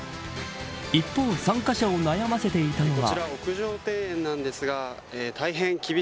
一方、参加者を悩ませていたのは。